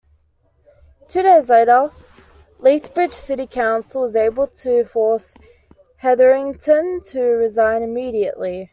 Two days later, Lethbridge City Council was able to force Heatherington to resign immediately.